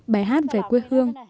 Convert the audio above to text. bài hát về quê hương